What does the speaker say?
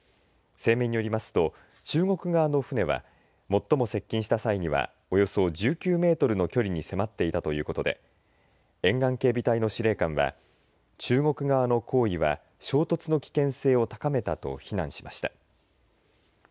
声明によりますと中国側の船は最も接近した際にはおよそ１９メートルの距離に迫っていたということで沿岸警備隊の司令官は中国側の行為は衝突の危険性を高めたと非難しました。